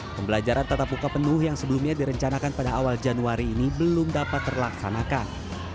pembelajaran tatap muka penuh yang sebelumnya direncanakan pada awal januari ini belum dapat terlaksanakan